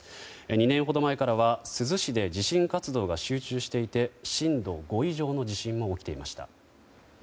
２年ほど前からは珠洲市で地震活動が集中していて震度５以上の地震も起きていました。